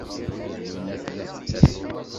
Zwina tella tettasem.